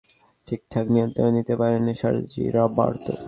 বাঁ দিক থেকে নেইমারের ক্রসটা ঠিকঠাক নিয়ন্ত্রণে নিতে পারেননি সার্জি রবার্তো।